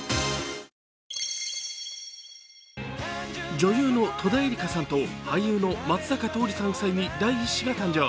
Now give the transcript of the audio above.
女優の戸田恵梨香さんと俳優の松坂桃李さん夫妻に第１子が誕生。